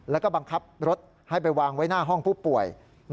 แล้วก็บังคับรถให้ไปวางไว้หน้าห้องผู้ป่วย